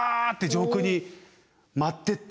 上空に舞ってった。